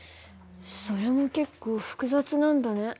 それも結構複雑なんだね。